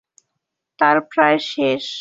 তার প্রায় শেষ।